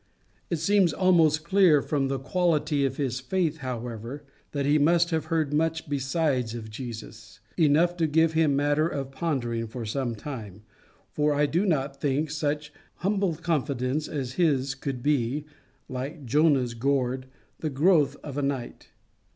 It seems almost clear from the quality of his faith, however, that he must have heard much besides of Jesus enough to give him matter of pondering for some time, for I do not think such humble confidence as his could be, like Jonah's gourd, the growth of a night.